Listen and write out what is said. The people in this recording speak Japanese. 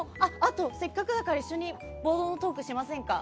せっかくだから一緒にボードのトークしませんか。